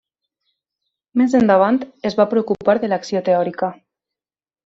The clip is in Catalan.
Més endavant es va preocupar de l'acció teòrica.